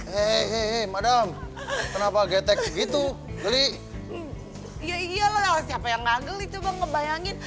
hehehe hehehe madam kenapa getek gitu geli iya siapa yang nganggul itu mau ngebayangin